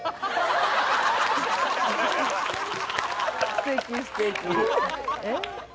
すてきすてき。